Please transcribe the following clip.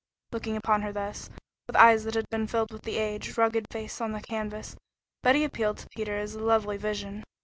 Looking upon her thus, with eyes that had been filled with the aged, rugged face on the canvas, Betty appealed to Peter as a lovely vision.